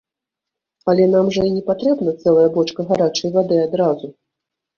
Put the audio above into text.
Але нам жа і не патрэбна цэлая бочка гарачай вады адразу.